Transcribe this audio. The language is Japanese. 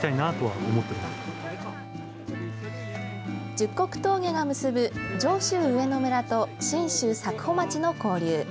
十石峠が結ぶ上州上野村と信州佐久穂町の交流。